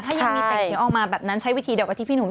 มีอาจก็คือห้ามตบหลัง